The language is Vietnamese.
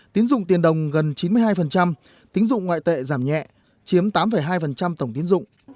tín dụng tiền đồng gần chín mươi hai tín dụng ngoại tệ giảm nhẹ chiếm tám hai tổng tiến dụng